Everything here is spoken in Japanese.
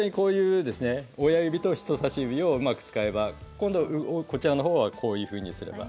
親指と人さし指をうまく使えば今度、こちらのほうはこういうふうにすれば。